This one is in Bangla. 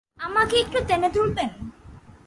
আমাকে একটু টেনে তুলবেন।